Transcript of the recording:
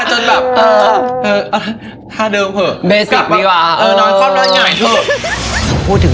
จนแบบอ่ะท่าเดิมเตย